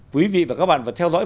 quý vị và các bạn vừa theo dõi